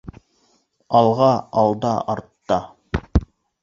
Алға, алда, артта